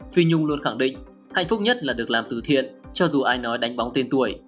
phi nhung luôn khẳng định hạnh phúc nhất là được làm từ thiện cho dù ai nói đánh bóng tên tuổi